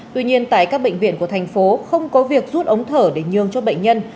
tuy nhiên tại các bệnh viện của thành phố không có việc rút ống thở để nhường cho bệnh nhân